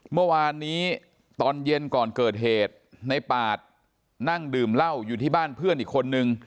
เมื่อวานนี้ตอนเย็นก่อนเกิดเหตุในปาดนั่งดื่มเหล้าอยู่ที่บ้านเพื่อนอีกคนนึง